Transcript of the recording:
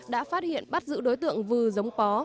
đã phát hiện bắt giữ đối tượng vừa giống bó